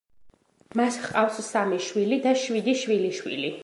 მას ჰყავს სამი შვილი და შვიდი შვილიშვილი.